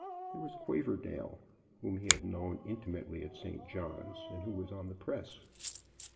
There was Quaverdale, whom he had known intimately at St. John's, and who was on the Press.